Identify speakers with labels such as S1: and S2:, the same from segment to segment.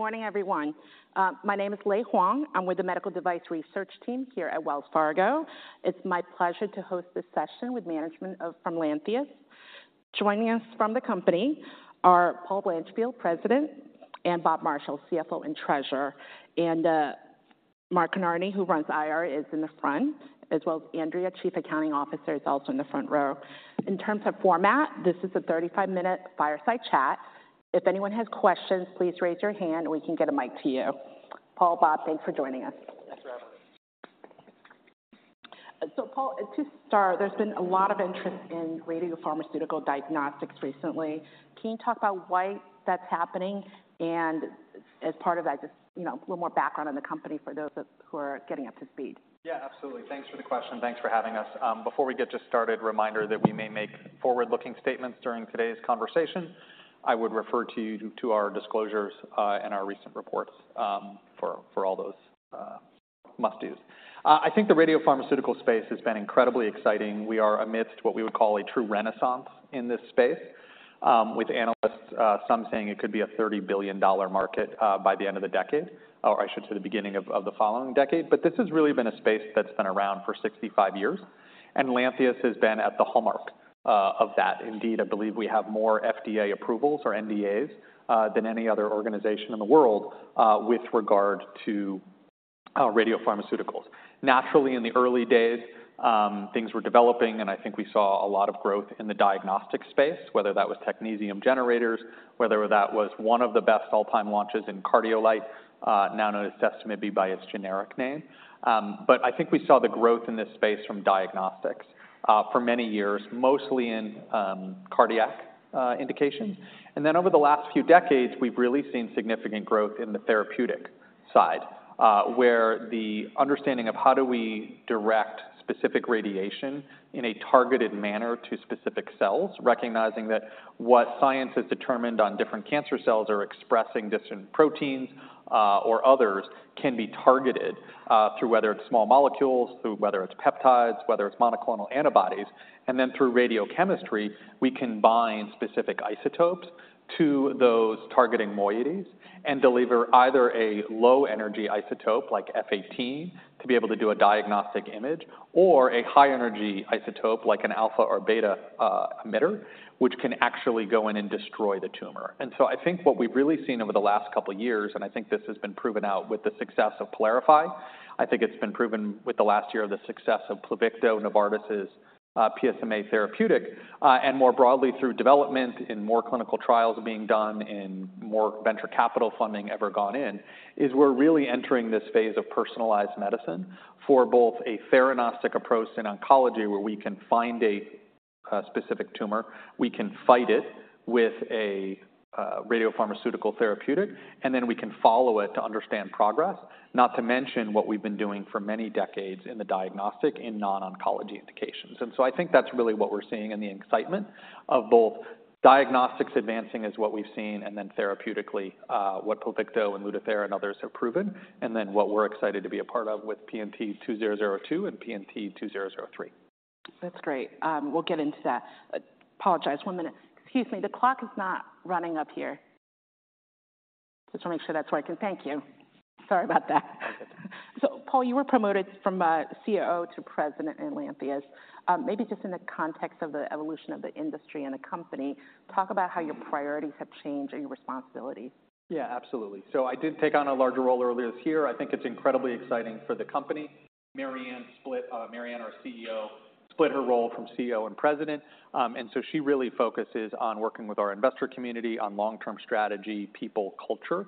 S1: Good morning, everyone. My name is Lei Huang. I'm with the Medical Device Research team here at Wells Fargo. It's my pleasure to host this session with management of, from Lantheus. Joining us from the company are Paul Blanchfield, President, and Bob Marshall, CFO and Treasurer, and Mark Kinarney, who runs IR, is in the front, as well as Andrea, Chief Accounting Officer, is also in the front row. In terms of format, this is a 35-minute fireside chat. If anyone has questions, please raise your hand, and we can get a mic to you. Paul, Bob, thanks for joining us. Thanks for having us. So Paul, to start, there's been a lot of interest in radiopharmaceutical diagnostics recently. Can you talk about why that's happening? As part of that, just, you know, a little more background on the company for those of you who are getting up to speed.
S2: Yeah, absolutely. Thanks for the question. Thanks for having us. Before we get just started, a reminder that we may make forward-looking statements during today's conversation. I would refer to you to our disclosures and our recent reports for all those must-dos. I think the radiopharmaceutical space has been incredibly exciting. We are amidst what we would call a true renaissance in this space, with analysts some saying it could be a $30 billion market by the end of the decade, or I should say the beginning of the following decade. But this has really been a space that's been around for 65 years, and Lantheus has been at the hallmark of that. Indeed, I believe we have more FDA approvals or NDAs than any other organization in the world with regard to radiopharmaceuticals. Naturally, in the early days, things were developing, and I think we saw a lot of growth in the diagnostic space, whether that was technetium generators, whether that was one of the best all-time launches in Cardiolite, now known as Sestamibi by its generic name. But I think we saw the growth in this space from diagnostics for many years, mostly in cardiac indications. And then over the last few decades, we've really seen significant growth in the therapeutic side, where the understanding of how do we direct specific radiation in a targeted manner to specific cells, recognizing that what science has determined on different cancer cells are expressing different proteins or others, can be targeted through whether it's small molecules, through whether it's peptides, whether it's monoclonal antibodies. And then through radiochemistry, we can bind specific isotopes to those targeting moieties and deliver either a low-energy isotope, like F-18, to be able to do a diagnostic image, or a high-energy isotope, like an alpha or beta emitter, which can actually go in and destroy the tumor. And so I think what we've really seen over the last couple of years, and I think this has been proven out with the success of PYLARIFY, I think it's been proven with the last year of the success of Pluvicto, Novartis's PSMA therapeutic, and more broadly through development in more clinical trials being done and more venture capital funding ever gone in, is we're really entering this phase of personalized medicine for both a theranostic approach in oncology, where we can find a specific tumor, we can fight it with a radiopharmaceutical therapeutic, and then we can follow it to understand progress, not to mention what we've been doing for many decades in the diagnostic in non-oncology indications. And so I think that's really what we're seeing and the excitement of both diagnostics advancing is what we've seen, and then therapeutically, what Pluvicto and Lutathera and others have proven, and then what we're excited to be a part of with PNT2002 and PNT2003.
S1: That's great. We'll get into that. I apologize. One minute. Excuse me, the clock is not running up here. Just want to make sure that's working. Thank you. Sorry about that.
S2: All good.
S1: So Paul, you were promoted from COO to President in Lantheus. Maybe just in the context of the evolution of the industry and the company, talk about how your priorities have changed and your responsibilities.
S2: Yeah, absolutely. So I did take on a larger role earlier this year. I think it's incredibly exciting for the company. Mary Anne, our CEO, split her role from CEO and President, and so she really focuses on working with our investor community on long-term strategy, people, culture,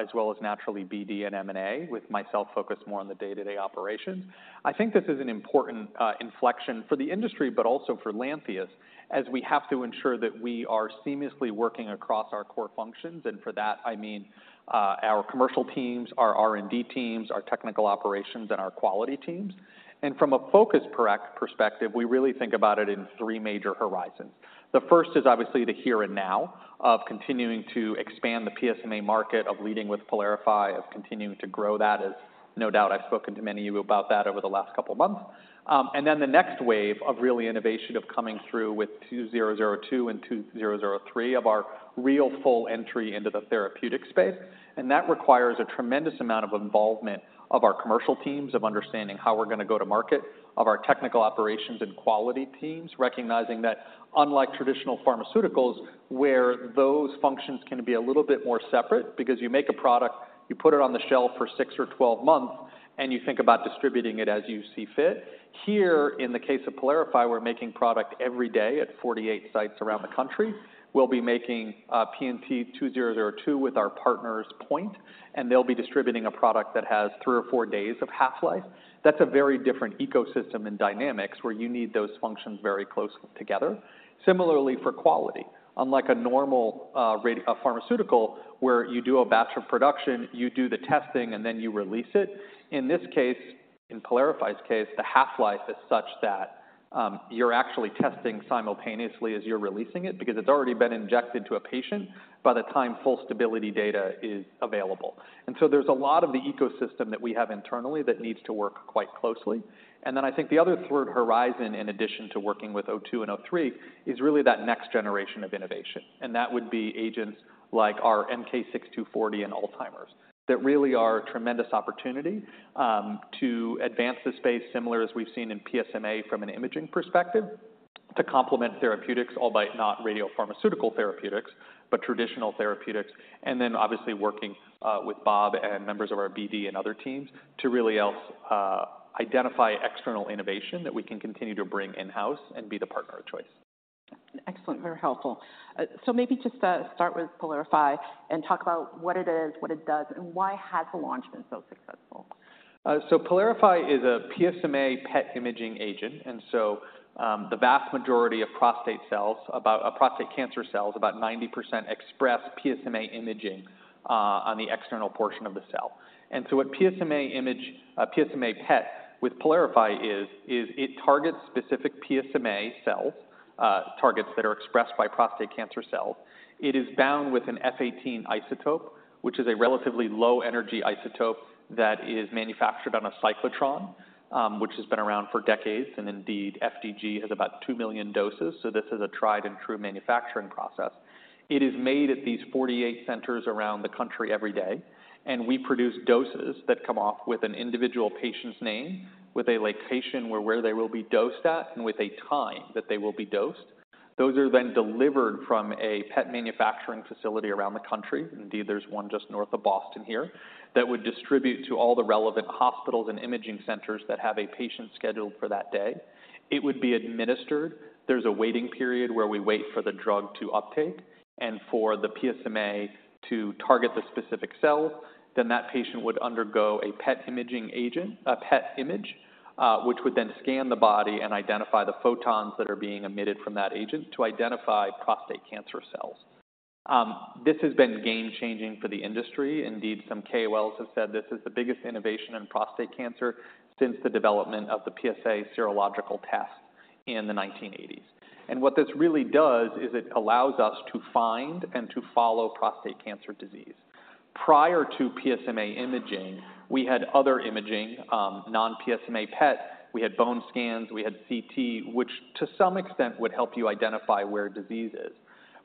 S2: as well as naturally BD and M&A, with myself focused more on the day-to-day operations. I think this is an important inflection for the industry, but also for Lantheus, as we have to ensure that we are seamlessly working across our core functions. And for that, I mean, our commercial teams, our R&D teams, our technical operations, and our quality teams. And from a focus perspective, we really think about it in three major horizons. The first is obviously the here and now of continuing to expand the PSMA market, of leading with PYLARIFY, of continuing to grow that. As no doubt, I've spoken to many of you about that over the last couple of months. And then the next wave of really innovation of coming through with 2002 and 2003 of our real full entry into the therapeutic space. And that requires a tremendous amount of involvement of our commercial teams, of understanding how we're going to go to market, of our technical operations and quality teams, recognizing that unlike traditional pharmaceuticals, where those functions can be a little bit more separate because you make a product, you put it on the shelf for 6 or 12 months, and you think about distributing it as you see fit. Here, in the case of PYLARIFY, we're making product every day at 48 sites around the country. We'll be making PNT2002 with our partners, POINT, and they'll be distributing a product that has three or four days of half-life. That's a very different ecosystem and dynamics, where you need those functions very close together. Similarly, for quality, unlike a normal a pharmaceutical, where you do a batch of production, you do the testing, and then you release it, in this case, in PYLARIFY's case, the half-life is such that you're actually testing simultaneously as you're releasing it because it's already been injected to a patient by the time full stability data is available.... And so there's a lot of the ecosystem that we have internally that needs to work quite closely. And then I think the other third horizon, in addition to working with PNT2002 and PNT2003, is really that next generation of innovation, and that would be agents like our MK-6240 and Alzheimer's, that really are a tremendous opportunity, to advance the space, similar as we've seen in PSMA from an imaging perspective, to complement therapeutics, albeit not radiopharmaceutical therapeutics, but traditional therapeutics. And then obviously working, with Bob and members of our BD and other teams to really help, identify external innovation that we can continue to bring in-house and be the partner of choice.
S1: Excellent. Very helpful. So maybe just start with PYLARIFY and talk about what it is, what it does, and why has the launch been so successful?
S2: So PYLARIFY is a PSMA PET imaging agent, and so, the vast majority of prostate cells, about prostate cancer cells, about 90% express PSMA imaging, on the external portion of the cell. And so what PSMA image, PSMA PET with PYLARIFY is, is it targets specific PSMA cells, targets that are expressed by prostate cancer cells. It is bound with an F-18 isotope, which is a relatively low-energy isotope that is manufactured on a cyclotron, which has been around for decades, and indeed, FDG has about 2 million doses, so this is a tried and true manufacturing process. It is made at these 48 centers around the country every day, and we produce doses that come off with an individual patient's name, with a location where they will be dosed at and with a time that they will be dosed. Those are then delivered from a PET manufacturing facility around the country. Indeed, there's one just north of Boston here, that would distribute to all the relevant hospitals and imaging centers that have a patient scheduled for that day. It would be administered. There's a waiting period where we wait for the drug to uptake and for the PSMA to target the specific cell. Then that patient would undergo a PET imaging agent, a PET image, which would then scan the body and identify the photons that are being emitted from that agent to identify prostate cancer cells. This has been game-changing for the industry. Indeed, some KOLs have said this is the biggest innovation in prostate cancer since the development of the PSA serological test in the 1980s. And what this really does is it allows us to find and to follow prostate cancer disease. Prior to PSMA imaging, we had other imaging, non-PSMA PET, we had bone scans, we had CT, which to some extent would help you identify where disease is.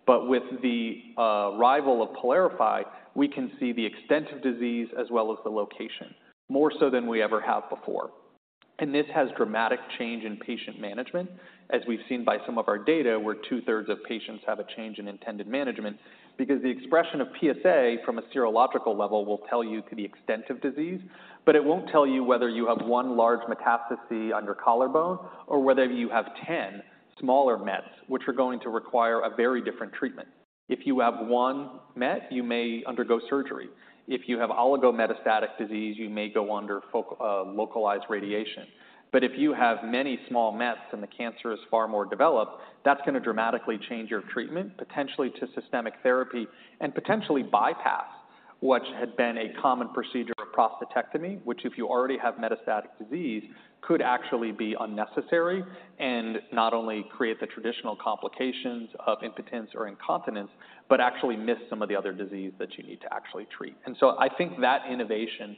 S2: But with the arrival of PYLARIFY, we can see the extent of disease as well as the location, more so than we ever have before. And this has dramatic change in patient management, as we've seen by some of our data, where two-thirds of patients have a change in intended management. Because the expression of PSA from a serological level will tell you to the extent of disease, but it won't tell you whether you have one large metastasis on your collarbone or whether you have 10 smaller mets, which are going to require a very different treatment. If you have one met, you may undergo surgery. If you have oligometastatic disease, you may go under localized radiation. But if you have many small mets and the cancer is far more developed, that's going to dramatically change your treatment, potentially to systemic therapy and potentially bypass what had been a common procedure of prostatectomy, which, if you already have metastatic disease, could actually be unnecessary and not only create the traditional complications of impotence or incontinence, but actually miss some of the other disease that you need to actually treat. And so I think that innovation,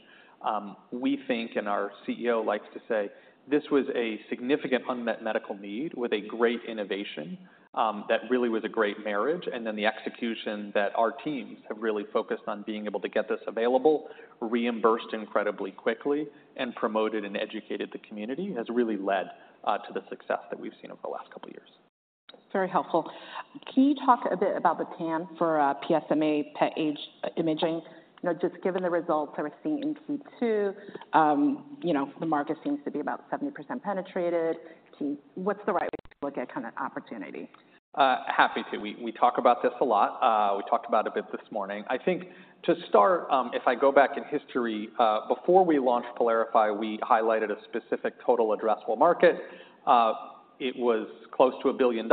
S2: we think and our CEO likes to say, this was a significant unmet medical need with a great innovation, that really was a great marriage. And then the execution that our teams have really focused on being able to get this available, reimbursed incredibly quickly and promoted and educated the community, has really led, to the success that we've seen over the last couple of years.
S1: Very helpful. Can you talk a bit about the plan for PSMA PET imaging? You know, just given the results that we're seeing in Q2, you know, the market seems to be about 70% penetrated. What's the right way to look at kind of opportunity?
S2: Happy to. We talk about this a lot. We talked about it a bit this morning. I think to start, if I go back in history, before we launched PYLARIFY, we highlighted a specific total addressable market. It was close to $1 billion.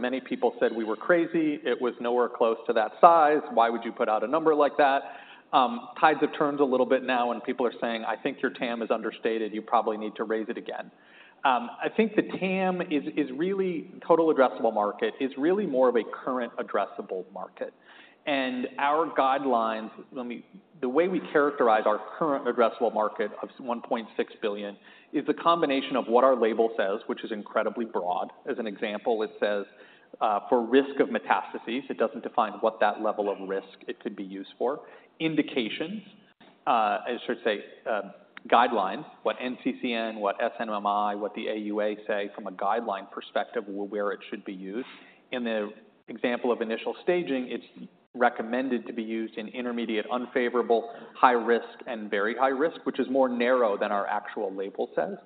S2: Many people said we were crazy. It was nowhere close to that size. Why would you put out a number like that? Tides have turned a little bit now and people are saying, "I think your TAM is understated. You probably need to raise it again." I think the TAM is really total addressable market, is really more of a current addressable market. And our guidelines, the way we characterize our current addressable market of $1.6 billion is a combination of what our label says, which is incredibly broad. As an example, it says, for risk of metastases, it doesn't define what that level of risk it could be used for. Indications, I should say, guidelines, what NCCN, what SNMI, what the AUA say from a guideline perspective, where it should be used. In the example of initial staging, it's recommended to be used in intermediate, unfavorable, high risk, and very high risk, which is more narrow than our actual label says,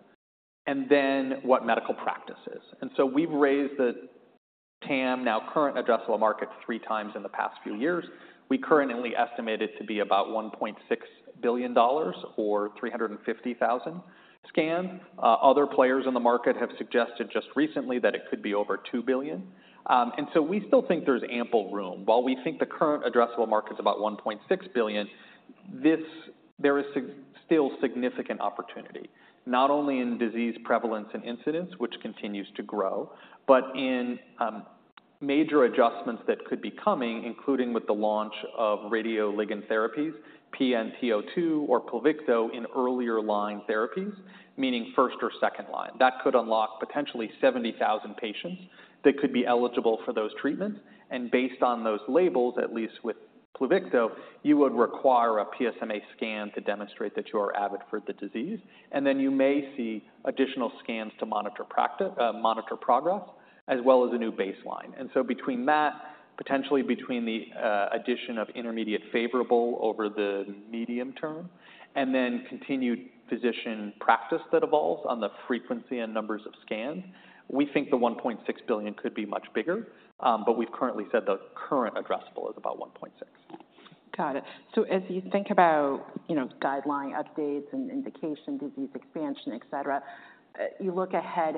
S2: and then what medical practice is. And so we've raised the TAM, now current addressable market, three times in the past few years. We currently estimate it to be about $1.6 billion or 350,000 scans. Other players in the market have suggested just recently that it could be over $2 billion. And so we still think there's ample room. While we think the current addressable market is about $1.6 billion. There is still significant opportunity, not only in disease prevalence and incidence, which continues to grow, but in major adjustments that could be coming, including with the launch of radioligand therapies, PNT2002 or Pluvicto, in earlier line therapies, meaning first or second line. That could unlock potentially 70,000 patients that could be eligible for those treatments, and based on those labels, at least with Pluvicto, you would require a PSMA scan to demonstrate that you are avid for the disease. And then you may see additional scans to monitor progress, as well as a new baseline. And so between that, potentially between the addition of intermediate favorable over the medium term, and then continued physician practice that evolves on the frequency and numbers of scans, we think the $1.6 billion could be much bigger, but we've currently said the current addressable is about $1.6 billion.
S1: Got it. So as you think about, you know, guideline updates and indication, disease expansion, et cetera, you look ahead,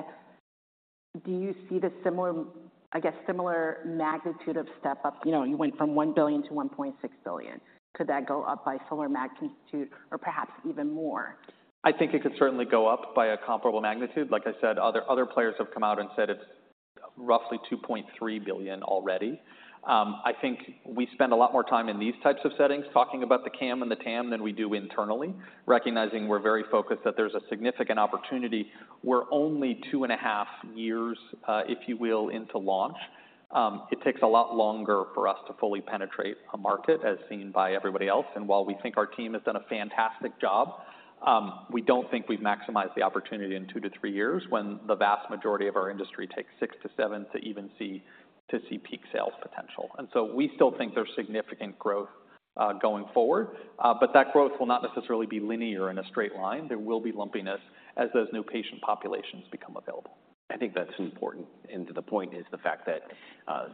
S1: do you see the similar, I guess, similar magnitude of step-up? You know, you went from $1 billion to $1.6 billion. Could that go up by similar magnitude or perhaps even more?
S2: I think it could certainly go up by a comparable magnitude. Like I said, other players have come out and said it's roughly $2.3 billion already. I think we spend a lot more time in these types of settings talking about the CAM and the TAM than we do internally, recognizing we're very focused, that there's a significant opportunity. We're only 2.5 years, if you will, into launch. It takes a lot longer for us to fully penetrate a market, as seen by everybody else. And while we think our team has done a fantastic job, we don't think we've maximized the opportunity in 2-3 years when the vast majority of our industry takes 6-7 to even see peak sales potential. And so we still think there's significant growth, going forward, but that growth will not necessarily be linear in a straight line. There will be lumpiness as those new patient populations become available.
S3: I think that's important. To the POINT is the fact that,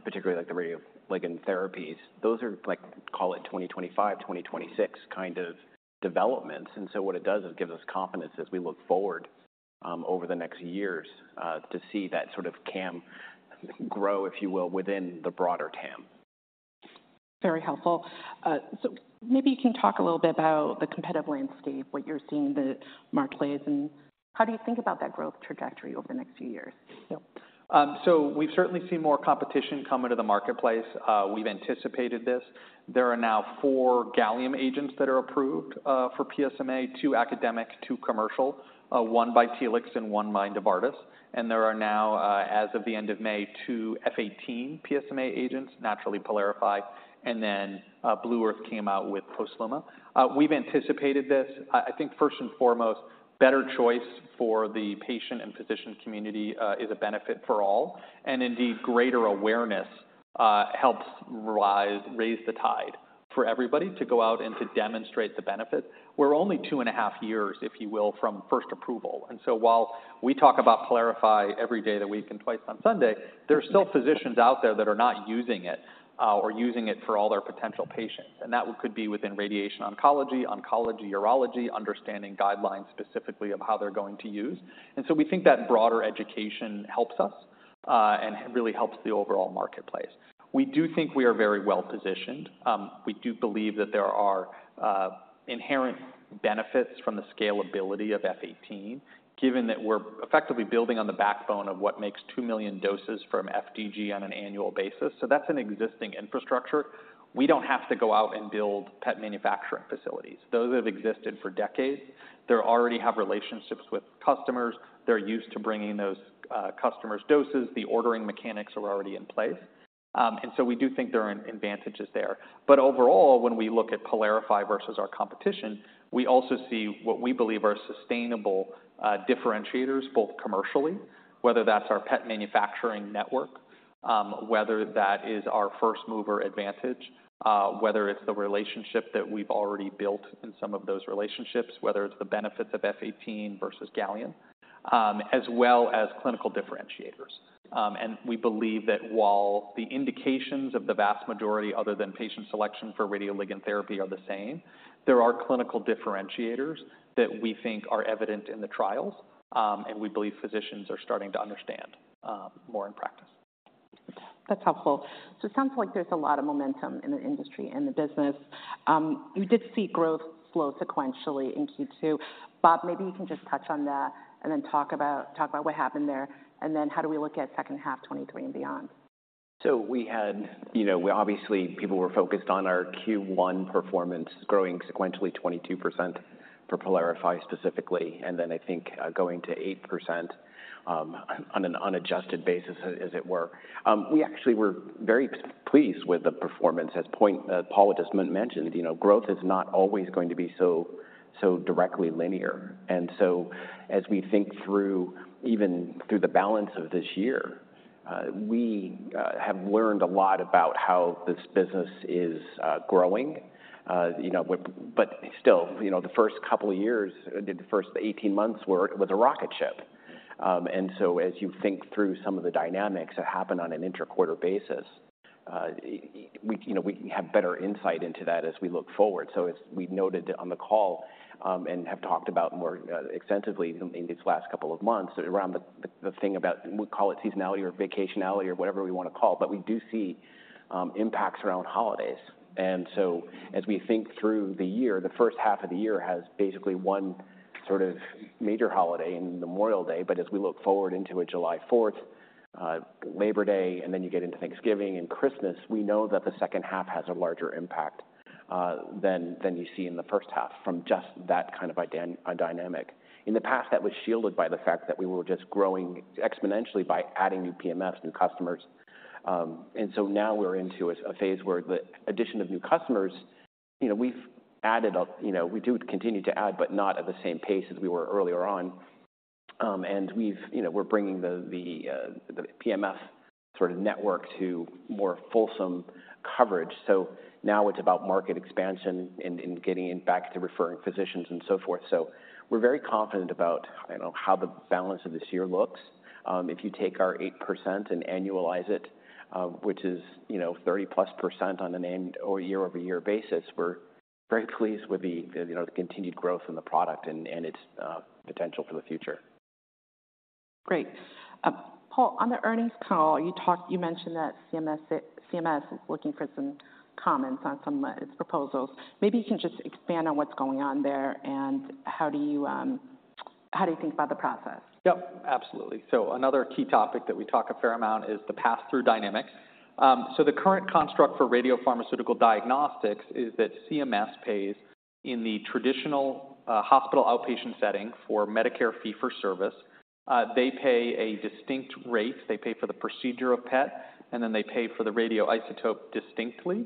S3: particularly like the radioligand therapies, those are like, call it 2025, 2026 kind of developments. And so what it does is gives us confidence as we look forward, over the next years, to see that sort of CAM grow, if you will, within the broader TAM.
S1: Very helpful. So maybe you can talk a little bit about the competitive landscape, what you're seeing in the marketplace, and how do you think about that growth trajectory over the next few years?
S2: Yep. So we've certainly seen more competition come into the marketplace. We've anticipated this. There are now four gallium agents that are approved for PSMA, two academic, two commercial, one by Telix and one by Novartis. And there are now, as of the end of May, two F 18 PSMA agents, naturally PYLARIFY, and then Blue Earth came out with POSLUMA. We've anticipated this. I think, first and foremost, better choice for the patient and physician community is a benefit for all. And indeed, greater awareness helps raise the tide for everybody to go out and to demonstrate the benefits. We're only two and a half years, if you will, from first approval. And so while we talk about PYLARIFY every day of the week and twice on Sunday, there are still physicians out there that are not using it, or using it for all their potential patients, and that could be within radiation oncology, oncology, urology, understanding guidelines specifically of how they're going to use. And so we think that broader education helps us, and really helps the overall marketplace. We do think we are very well-positioned. We do believe that there are inherent benefits from the scalability of F 18, given that we're effectively building on the backbone of what makes 2 million doses from FDG on an annual basis. So that's an existing infrastructure. We don't have to go out and build PET manufacturing facilities. Those have existed for decades. They already have relationships with customers. They're used to bringing those customers' doses. The ordering mechanics are already in place. So we do think there are advantages there. Overall, when we look at PYLARIFY versus our competition, we also see what we believe are sustainable, differentiators, both commercially, whether that's our PET manufacturing network, whether that is our first-mover advantage, whether it's the relationship that we've already built in some of those relationships, whether it's the benefits of F 18 versus Gallium-68, as well as clinical differentiators. We believe that while the indications of the vast majority, other than patient selection for radioligand therapy, are the same, there are clinical differentiators that we think are evident in the trials, and we believe physicians are starting to understand, more in practice.
S1: That's helpful. So it sounds like there's a lot of momentum in the industry and the business. You did see growth slow sequentially in Q2. Bob, maybe you can just touch on that and then talk about, talk about what happened there, and then how do we look at second half 2023 and beyond?
S3: So we had... You know, obviously, people were focused on our Q1 performance, growing sequentially 22% for PYLARIFY specifically, and then I think, going to 8%, on an unadjusted basis, as it were. We actually were very pleased with the performance. As Paul just mentioned, you know, growth is not always going to be so, so directly linear. And so as we think through, even through the balance of this year, we have learned a lot about how this business is growing. You know, but still, you know, the first couple of years, the first 18 months were with a rocket ship. And so as you think through some of the dynamics that happen on an interquarter basis, we, you know, we have better insight into that as we look forward. As we noted on the call, and have talked about more extensively in these last couple of months around the thing about, we call it seasonality or vacationality or whatever we want to call it, but we do see impacts around holidays. And so as we think through the year, the first half of the year has basically one sort of major holiday in Memorial Day. But as we look forward into a July 4th, Labor Day, and then you get into Thanksgiving and Christmas, we know that the second half has a larger impact than you see in the first half from just that kind of a dynamic. In the past, that was shielded by the fact that we were just growing exponentially by adding new PMFs, new customers. And so now we're into a phase where the addition of new customers, you know, we've added up, you know, we do continue to add, but not at the same pace as we were earlier on. And we've, you know, we're bringing the the PMF sort of network to more fulsome coverage. So now it's about market expansion and getting back to referring physicians and so forth. So we're very confident about, you know, how the balance of this year looks. If you take our 8% and annualize it, which is, you know, 30%+ on an end or year-over-year basis, we're very pleased with the, you know, the continued growth in the product and its potential for the future.
S1: Great. Paul, on the earnings call, you mentioned that CMS is looking for some comments on some proposals. Maybe you can just expand on what's going on there and how do you think about the process?
S2: Yep, absolutely. So another key topic that we talk a fair amount is the passthrough dynamics. So the current construct for radiopharmaceutical diagnostics is that CMS pays in the traditional hospital outpatient setting for Medicare fee-for-service. They pay a distinct rate. They pay for the procedure of PET, and then they pay for the radioisotope distinctly,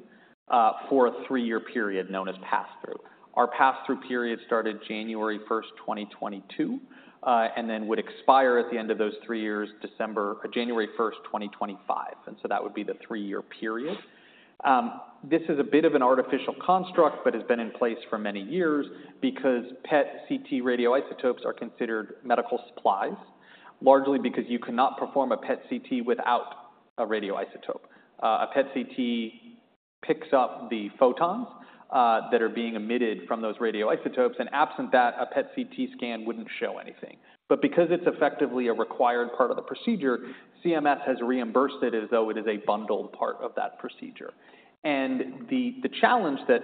S2: for a three-year period known as passthrough. Our passthrough period started January 1, 2022, and then would expire at the end of those three years, January 1, 2025, and so that would be the three-year period. This is a bit of an artificial construct but has been in place for many years because PET-CT radioisotopes are considered medical supplies, largely because you cannot perform a PET-CT without a radioisotope. A PET-CT picks up the photons that are being emitted from those radioisotopes, and absent that, a PET-CT scan wouldn't show anything. But because it's effectively a required part of the procedure, CMS has reimbursed it as though it is a bundled part of that procedure. And the challenge that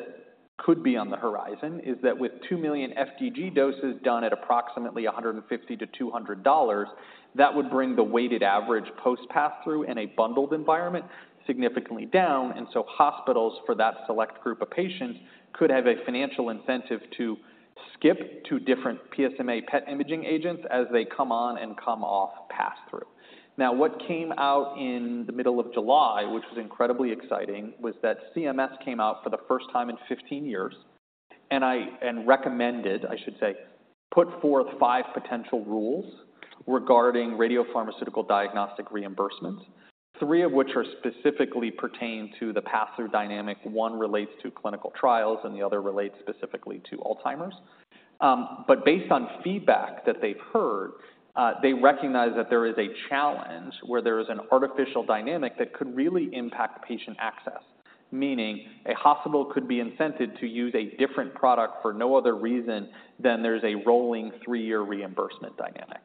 S2: could be on the horizon is that with 2 million FDG doses done at approximately $150-$200, that would bring the weighted average post passthrough in a bundled environment significantly down. And so hospitals for that select group of patients could have a financial incentive to skip to different PSMA PET imaging agents as they come on and come off passthrough. Now, what came out in the middle of July, which was incredibly exciting, was that CMS came out for the first time in 15 years, and I... Recommended, I should say, put forth five potential rules regarding radiopharmaceutical diagnostic reimbursements, three of which are specifically pertained to the passthrough dynamic. One relates to clinical trials, and the other relates specifically to Alzheimer's. Based on feedback that they've heard, they recognize that there is a challenge where there is an artificial dynamic that could really impact patient access, meaning a hospital could be incented to use a different product for no other reason than there's a rolling three-year reimbursement dynamic.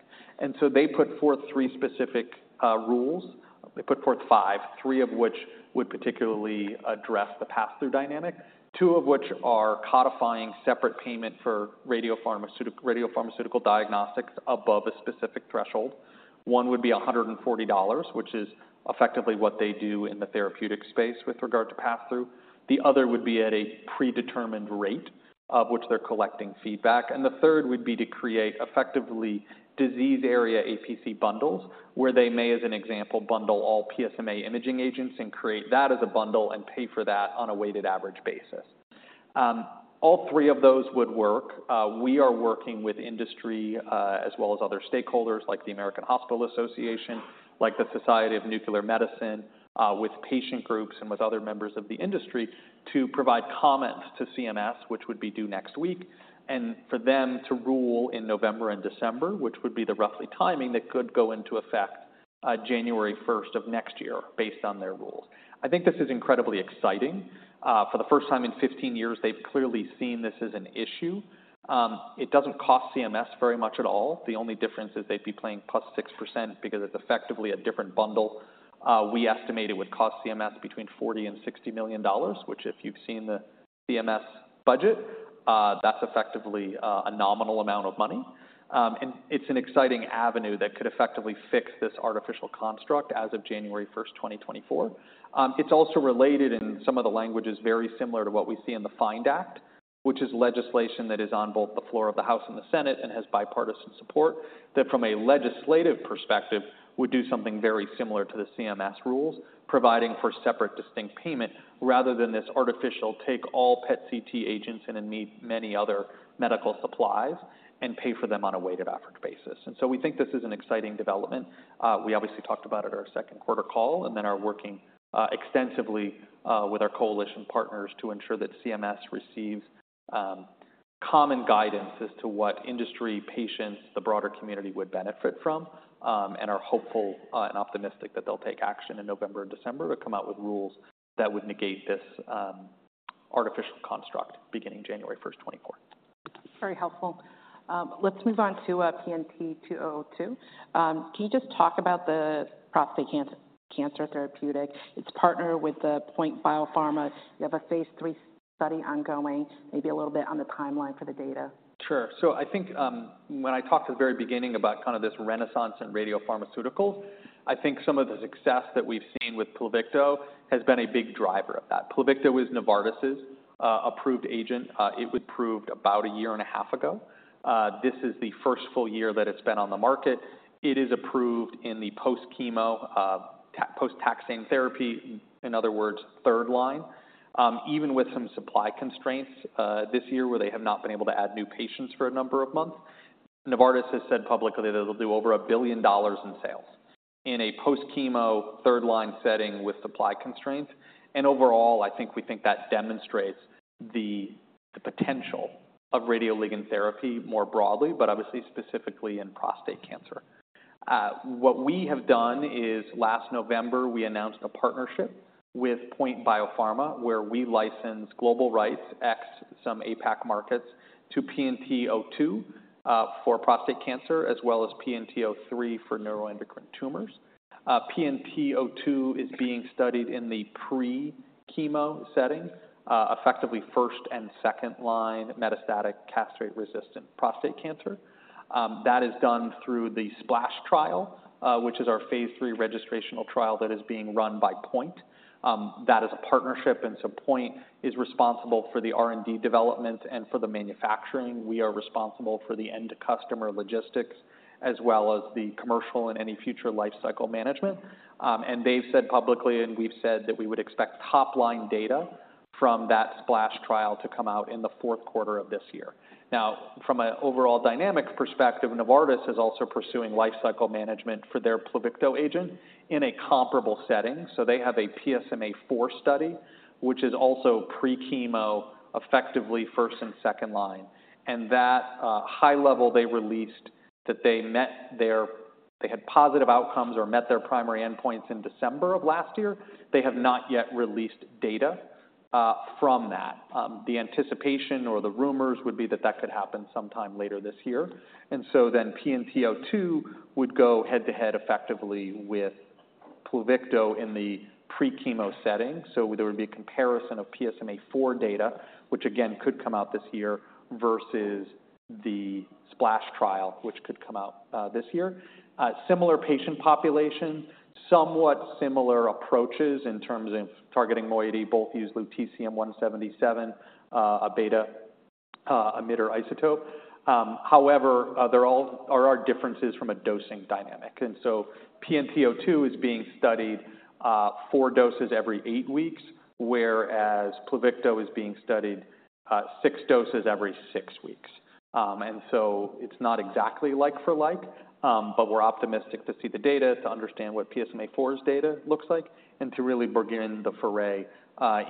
S2: They put forth three specific rules. They put forth five, three of which would particularly address the passthrough dynamic, two of which are codifying separate payment for radiopharmaceutical diagnostics above a specific threshold. One would be $140, which is effectively what they do in the therapeutic space with regard to passthrough. The other would be at a predetermined rate of which they're collecting feedback, and the third would be to create effectively disease area APC bundles, where they may, as an example, bundle all PSMA imaging agents and create that as a bundle and pay for that on a weighted average basis. All three of those would work. We are working with industry, as well as other stakeholders like the American Hospital Association, like the Society of Nuclear Medicine, with patient groups and with other members of the industry, to provide comments to CMS, which would be due next week, and for them to rule in November and December, which would be the roughly timing that could go into effect, January first of next year, based on their rules. I think this is incredibly exciting. For the first time in 15 years, they've clearly seen this as an issue. It doesn't cost CMS very much at all. The only difference is they'd be paying plus 6% because it's effectively a different bundle. We estimate it would cost CMS between $40 million and $60 million, which, if you've seen the CMS budget, that's effectively a nominal amount of money. And it's an exciting avenue that could effectively fix this artificial construct as of January first, 2024. It's also related, and some of the language is very similar to what we see in the FIND Act, which is legislation that is on both the floor of the House and the Senate and has bipartisan support, that from a legislative perspective, would do something very similar to the CMS rules, providing for separate, distinct payment rather than this artificial take all PET-CT agents and many other medical supplies and pay for them on a weighted average basis. And so we think this is an exciting development. We obviously talked about it at our second quarter call and then are working extensively with our coalition partners to ensure that CMS receives common guidance as to what industry, patients, the broader community would benefit from and are hopeful and optimistic that they'll take action in November and December to come out with rules that would negate this artificial construct beginning January 1, 2024....
S1: Very helpful. Let's move on to PNT2002. Can you just talk about the prostate cancer, cancer therapeutic, its partner with the POINT Biopharma? You have a phase III study ongoing, maybe a little bit on the timeline for the data.
S2: Sure. So I think when I talked at the very beginning about kind of this renaissance in radiopharmaceuticals, I think some of the success that we've seen with Pluvicto has been a big driver of that. Pluvicto is Novartis's approved agent. It was approved about a year and a half ago. This is the first full year that it's been on the market. It is approved in the post-chemo post-taxane therapy, in other words, third line. Even with some supply constraints this year, where they have not been able to add new patients for a number of months, Novartis has said publicly that it'll do over $1 billion in sales in a post-chemo, third-line setting with supply constraints. And overall, I think we think that demonstrates the potential of radioligand therapy more broadly, but obviously specifically in prostate cancer. What we have done is, last November, we announced a partnership with POINT Biopharma, where we licensed global rights, ex some APAC markets, to PNT02, for prostate cancer, as well as PNT03 for neuroendocrine tumors. PNT02 is being studied in the pre-chemo setting, effectively first and second line metastatic castrate-resistant prostate cancer. That is done through the SPLASH trial, which is our phase III registrational trial that is being run by POINT. That is a partnership, and so POINT is responsible for the R&D development and for the manufacturing. We are responsible for the end-customer logistics, as well as the commercial and any future lifecycle management. And they've said publicly, and we've said, that we would expect top-line data from that SPLASH trial to come out in the fourth quarter of this year. Now, from an overall dynamics perspective, Novartis is also pursuing lifecycle management for their Pluvicto agent in a comparable setting. They have a PSMAfore study, which is also pre-chemo, effectively first and second line. At a high level, they released that they met their—they had positive outcomes or met their primary endPOINTs in December of last year. They have not yet released data from that. The anticipation or the rumors would be that that could happen sometime later this year. Then PNT2002 would go head-to-head effectively with Pluvicto in the pre-chemo setting. There would be a comparison of PSMAfore data, which again, could come out this year, versus the SPLASH trial, which could come out this year. Similar patient population, somewhat similar approaches in terms of targeting moiety, both use lutetium-177, a beta emitter isotope. However, there are differences from a dosing dynamic. And so PNT02 is being studied 4 doses every 8 weeks, whereas Pluvicto is being studied 6 doses every 6 weeks. And so it's not exactly like for like, but we're optimistic to see the data, to understand what PSMAfore's data looks like, and to really begin the foray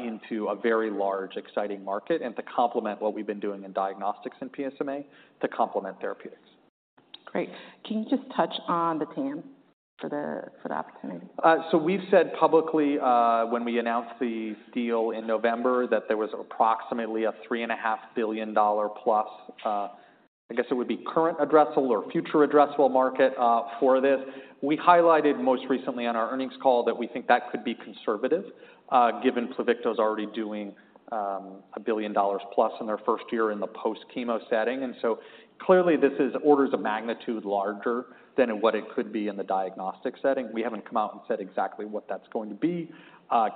S2: into a very large, exciting market, and to complement what we've been doing in diagnostics in PSMA to complement therapeutics.
S1: Great. Can you just touch on the TAM for the opportunity?
S2: We've said publicly, when we announced the deal in November, that there was approximately a $3.5 billion+ current addressable or future addressable market for this. We highlighted most recently on our earnings call that we think that could be conservative, given Pluvicto's already doing $1 billion+ in their first year in the post-chemo setting. Clearly, this is orders of magnitude larger than what it could be in the diagnostic setting. We haven't come out and said exactly what that's going to be.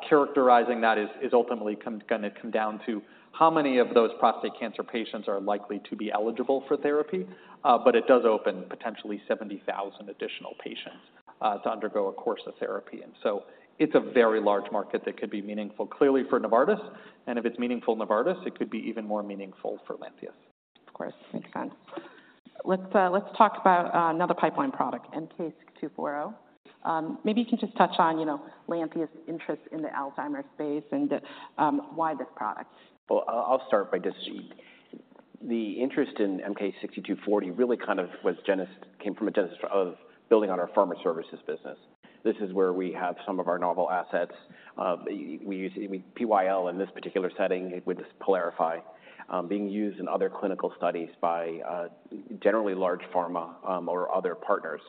S2: Characterizing that is ultimately going to come down to how many of those prostate cancer patients are likely to be eligible for therapy, but it does open potentially 70,000 additional patients to undergo a course of therapy. And so it's a very large market that could be meaningful, clearly, for Novartis, and if it's meaningful for Novartis, it could be even more meaningful for Lantheus.
S1: Of course. Makes sense. Let's talk about another pipeline product, MK-6240. Maybe you can just touch on, you know, Lantheus's interest in the Alzheimer's space and why this product?
S3: Well, I'll start by just... The interest in MK-6240 really kind of came from a genesis of building on our pharma services business. This is where we have some of our novel assets. We use PYL in this particular setting with PYLARIFY being used in other clinical studies by generally large pharma or other partners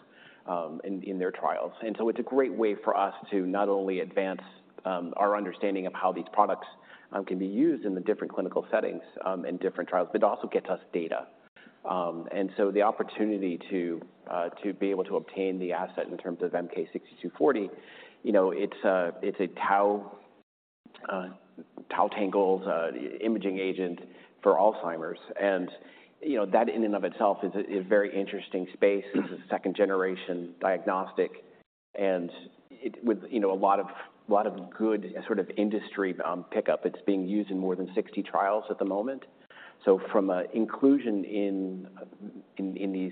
S3: in their trials. And so it's a great way for us to not only advance our understanding of how these products can be used in the different clinical settings and different trials, but it also gets us data. And so the opportunity to be able to obtain the asset in terms of MK-6240, you know, it's a tau tangles imaging agent for Alzheimer's. You know, that in and of itself is a very interesting space. It's a second-generation diagnostic and it with, you know, a lot of good sort of industry pickup. It's being used in more than 60 trials at the moment. So from a inclusion in these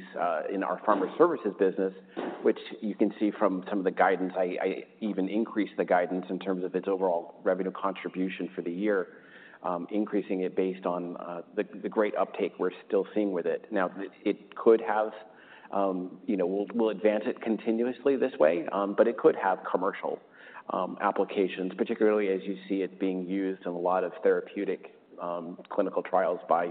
S3: in our pharma services business, which you can see from some of the guidance, I even increased the guidance in terms of its overall revenue contribution for the year, increasing it based on the great uptake we're still seeing with it. Now, it could have, you know, we'll advance it continuously this way, but it could have commercial applications, particularly as you see it being used in a lot of therapeutic clinical trials by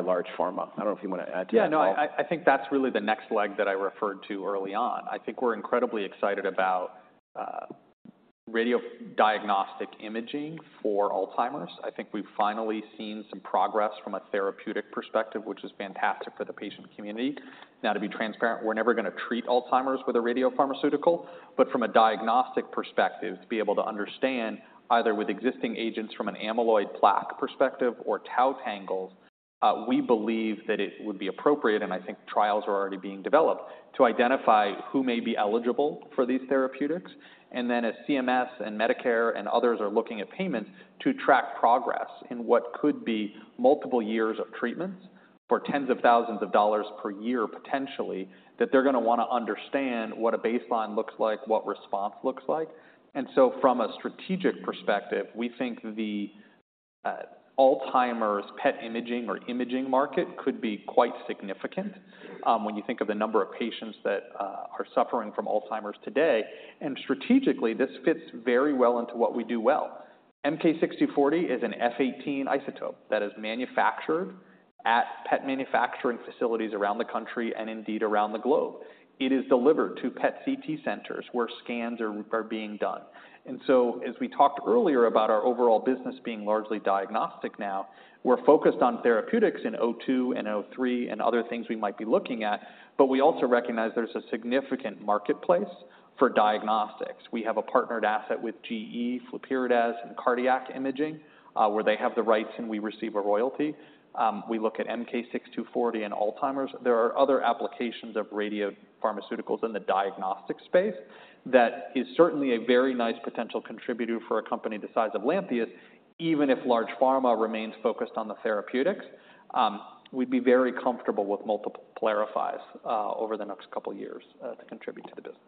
S3: large pharma. I don't know if you want to add to that, Paul?
S2: Yeah, no, I think that's really the next leg that I referred to early on. I think we're incredibly excited about radiodiagnostic imaging for Alzheimer's. I think we've finally seen some progress from a therapeutic perspective, which is fantastic for the patient community. Now, to be transparent, we're never gonna treat Alzheimer's with a radiopharmaceutical, but from a diagnostic perspective, to be able to understand, either with existing agents from an amyloid plaque perspective or tau tangles, we believe that it would be appropriate, and I think trials are already being developed, to identify who may be eligible for these therapeutics. And then as CMS and Medicare and others are looking at payments, to track progress in what could be multiple years of treatments for tens of thousands of dollars per year, potentially, that they're gonna wanna understand what a baseline looks like, what response looks like. From a strategic perspective, we think the Alzheimer's PET imaging or imaging market could be quite significant, when you think of the number of patients that are suffering from Alzheimer's today. Strategically, this fits very well into what we do well. MK-6240 is an F-18 isotope that is manufactured at PET manufacturing facilities around the country and indeed around the globe. It is delivered to PET-CT centers, where scans are being done. As we talked earlier about our overall business being largely diagnostic now, we're focused on therapeutics in O2 and O3 and other things we might be looking at, but we also recognize there's a significant marketplace for diagnostics. We have a partnered asset with GE, Flurpiridaz F 18, in cardiac imaging, where they have the rights and we receive a royalty. We look at MK-6240 in Alzheimer's. There are other applications of radiopharmaceuticals in the diagnostic space that is certainly a very nice potential contributor for a company the size of Lantheus, even if large pharma remains focused on the therapeutics. We'd be very comfortable with multiple PYLARIFYs over the next couple of years to contribute to the business.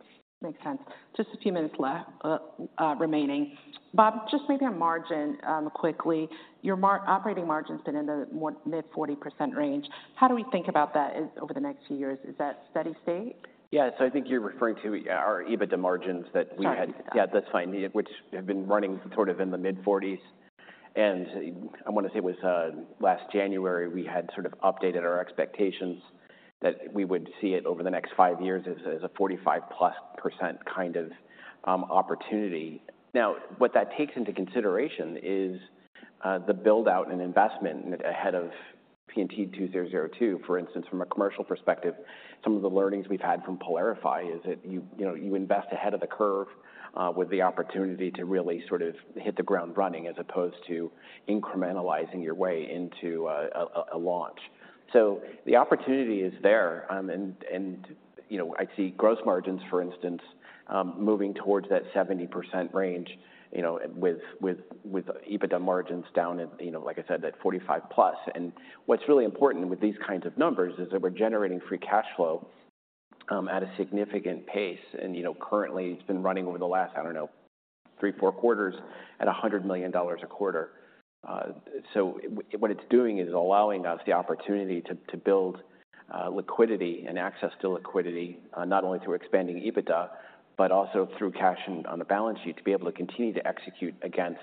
S1: Makes sense. Just a few minutes left, remaining. Bob, just maybe on margin, quickly, your operating margin's been in the more mid-40% range. How do we think about that as, over the next few years? Is that steady state?
S3: Yeah. So I think you're referring to, yeah, our EBITDA margins that we had-
S1: Sorry.
S3: Yeah, that's fine. Which have been running sort of in the mid-40s. I want to say it was last January, we had sort of updated our expectations that we would see it over the next 5 years as a 45%+ kind of opportunity. Now, what that takes into consideration is the build-out and investment ahead of PNT2002. For instance, from a commercial perspective, some of the learnings we've had from PYLARIFY is that you, you know, you invest ahead of the curve with the opportunity to really sort of hit the ground running, as opposed to incrementalizing your way into a launch. So the opportunity is there, and, you know, I'd see gross margins, for instance, moving towards that 70% range, you know, with EBITDA margins down at, you know, like I said, that 45+. And what's really important with these kinds of numbers is that we're generating free cash flow at a significant pace. And, you know, currently, it's been running over the last, I don't know, three, four quarters at $100 million a quarter. So what it's doing is allowing us the opportunity to build liquidity and access to liquidity, not only through expanding EBITDA, but also through cash on the balance sheet, to be able to continue to execute against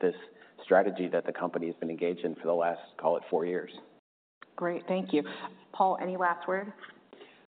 S3: this strategy that the company has been engaged in for the last, call it, four years.
S1: Great. Thank you. Paul, any last word?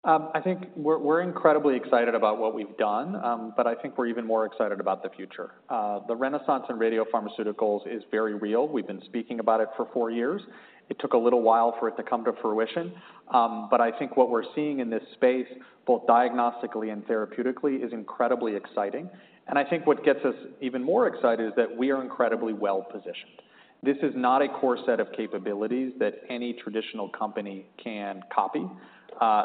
S2: I think we're incredibly excited about what we've done, but I think we're even more excited about the future. The renaissance in radiopharmaceuticals is very real. We've been speaking about it for four years. It took a little while for it to come to fruition, but I think what we're seeing in this space, both diagnostically and therapeutically, is incredibly exciting. And I think what gets us even more excited is that we are incredibly well-positioned. This is not a core set of capabilities that any traditional company can copy.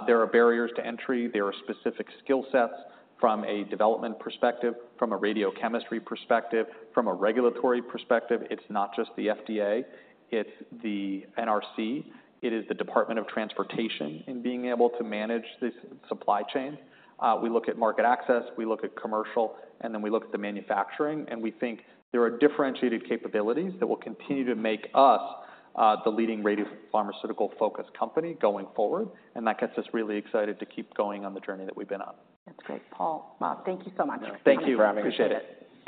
S2: There are barriers to entry. There are specific skill sets from a development perspective, from a radiochemistry perspective, from a regulatory perspective. It's not just the FDA, it's the NRC, it is the Department of Transportation in being able to manage this supply chain. We look at market access, we look at commercial, and then we look at the manufacturing, and we think there are differentiated capabilities that will continue to make us the leading radiopharmaceutical-focused company going forward. That gets us really excited to keep going on the journey that we've been on.
S1: That's great. Paul, Bob, thank you so much.
S3: Thank you for having me.
S2: Appreciate it.